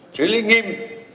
xử lý nghiêm